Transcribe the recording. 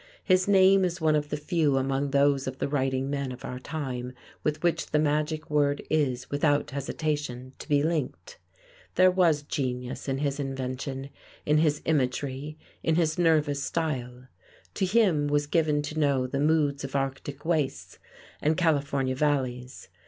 His name is one of the few among those of the writing men of our time with which the magic word is, without hesitation, to be linked. There was genius in his invention, in his imagery, in his nervous style. To him was given to know the moods of Arctic wastes and California valleys.